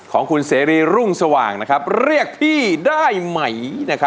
ของคุณเสรีรุ่งสว่างเรียกพี่ได้ไหม